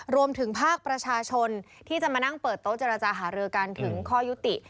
รวมถึงภาคประชาชนที่จะมานั่งเปิดโต๊ะเจรจาหารือกันถึงข้อยุติ